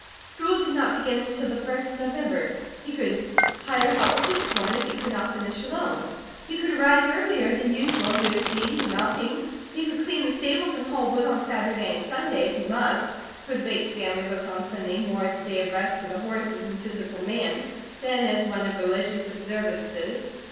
School did not begin until the first of November. He could hire help with his corn if he could not finish alone. He could arise earlier than usual and do his feeding and milking; he could clean the stables, haul wood on Saturday and Sunday, if he must, for the Bates family looked on Sunday more as a day of rest for the horses and physical man than as one of religious observances.